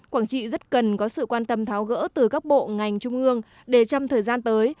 quảng trị rất cần có sự quan tâm tháo gỡ từ các bộ ngành trung ương để trong thời gian tới